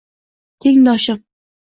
Tengdoshim